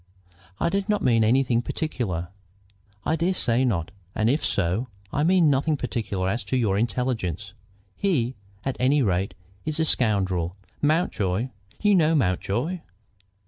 "I did not mean anything particular." "I dare say not, and if so, I mean nothing particular as to your intelligence. He, at any rate, is a scoundrel. Mountjoy you know Mountjoy?"